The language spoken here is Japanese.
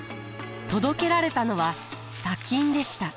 届けられたのは砂金でした。